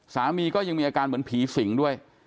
สามีก็ยังมีอาการเหมือนผีสิงด้วย